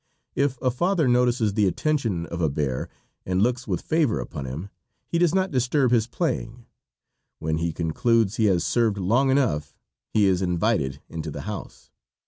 If a father notices the attention of a "bear" and looks with favor upon him, he does not disturb his "playing." When he concludes he has served long enough he is invited into the house.